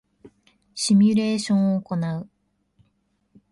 シミュレーションを行う